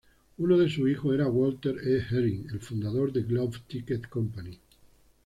Uno de sus hijos era Walter E. Hering, el fundador de Globe Ticket Co.